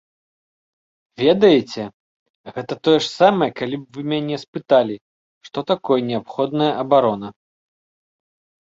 Ведаеце, гэта тое ж самае, калі б вы мяне спыталі, што такое неабходная абарона.